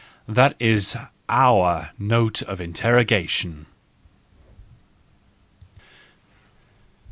This is our note of interro¬ gation.